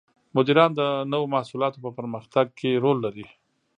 مدیران د نوو محصولاتو په پرمختګ کې رول لري.